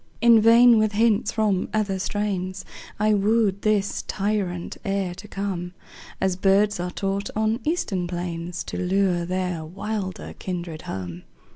In vain with hints from other strains I wooed this truant air to come As birds are taught on eastern plains To lure their wilder kindred home.